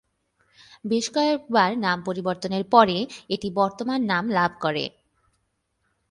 বেশ কয়েকবার নাম পরিবর্তনের পরে এটি বর্তমান নাম লাভ করে।